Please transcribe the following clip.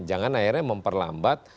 jangan akhirnya memperlambat